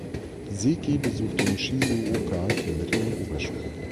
Seki besuchte in Shizuoka die Mittel- und Oberschule.